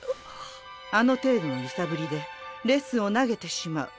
あの程度の揺さぶりでレッスンを投げてしまう。